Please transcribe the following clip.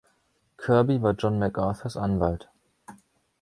Kirby war John MacArthurs Anwalt.